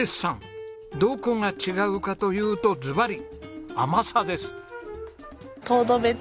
どこが違うかというとずばり甘さです！